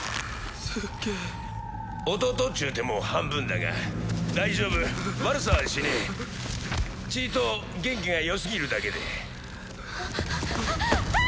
すっげえ弟っちゅうても半分だが大丈夫悪さはしねえちいと元気がよすぎるだけできゃ！